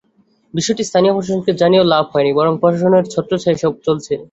বিষয়টি স্থানীয় প্রশাসনকে জানিয়েও লাভ হয়নি, বরং প্রশাসনের ছত্রচ্ছায়ায়ই এসব চলছে।